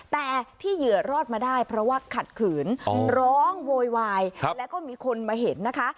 แต่ที่เหยื่อรอดมาได้เพราะว่าขัดขืนร้องโวยวายแล้วก็มีคนมาเห็นนะคะ